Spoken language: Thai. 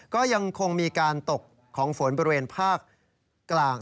ก็ยังคงมีการตกของฝนบริเวณภาคกลาง